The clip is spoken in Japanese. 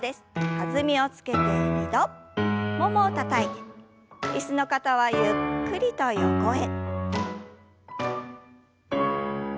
弾みをつけて２度ももをたたいて椅子の方はゆっくりと横へ。